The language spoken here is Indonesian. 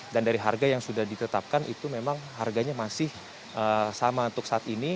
dan dari harga yang sudah ditetapkan itu memang harganya masih sama untuk saat ini